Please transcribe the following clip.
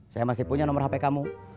saya masih punya nomor hp kamu